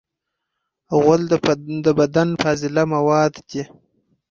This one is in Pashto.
غول د بدن فاضله مواد دي.